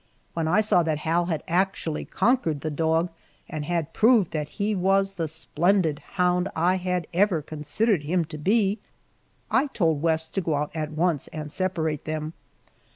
When I saw that Hal had actually conquered the dog and had proved that he was the splendid hound I had ever considered him to be, I told West to go out at once and separate them.